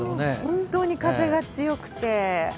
本当に風が強くて。